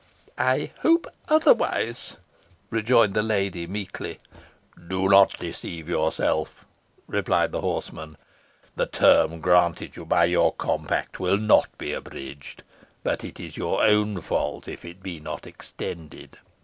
"I hope otherwise," rejoined the lady, meekly. "Do not deceive yourself," replied the horseman. "The term granted you by your compact will not be abridged, but it is your own fault if it be not extended.